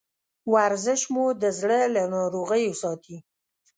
ورزش مو د زړه له ناروغیو ساتي.